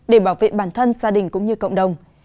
để bảo vệ bản thân gia đình cũng như cộng đồng